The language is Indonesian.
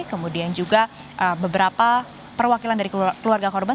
kemudian juga beberapa perwakilan dari keluarga korban